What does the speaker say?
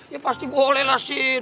ya pasti boleh lah sin